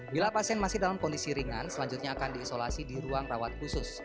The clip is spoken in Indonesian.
bila pasien masih dalam kondisi ringan selanjutnya akan diisolasi di ruang rawat khusus